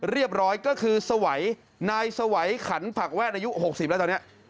เรียบร้อยก็คือสวัยนายสวัยขันผักแว่นอายุ๖๐แล้วตอนนี้